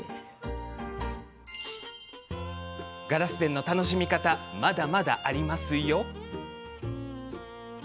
ガラスペンの楽しみ方まだまだありますよ。